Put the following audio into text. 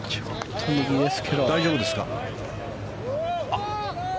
大丈夫ですか。